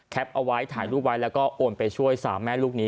เอาไว้ถ่ายรูปไว้แล้วก็โอนไปช่วย๓แม่ลูกนี้